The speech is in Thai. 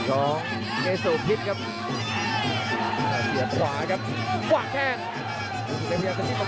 กระโดยสิ้งเล็กนี่ออกกันขาสันเหมือนกันครับ